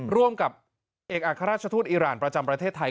ร่วมกับเอกอัครราชทูตอีรานประจำประเทศไทย